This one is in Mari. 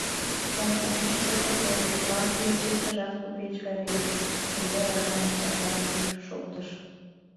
— Комсомол шкетак огыл, партий ячейкыжат купеч гай лийын, — шеҥгел радам гыч Сакарын йӱкшӧ шоктыш.